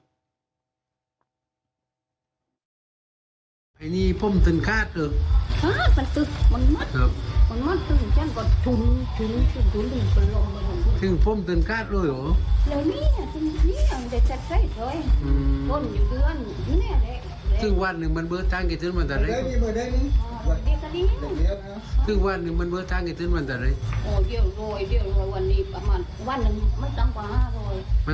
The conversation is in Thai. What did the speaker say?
ความหิ้นใจวันนี้ก็เจ็บจริงเลย